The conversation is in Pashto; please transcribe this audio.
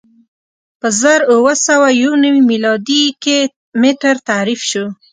په زر اووه سوه یو نوې میلادي کې متر تعریف شو.